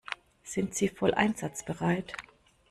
Sind Sie voll einsatzbereit?